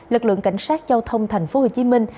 lực lượng cảnh sát giao thông thành phố hồ chí minh